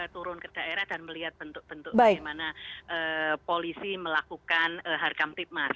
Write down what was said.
turun ke daerah dan melihat bentuk bentuk bagaimana polisi melakukan harkam tipmas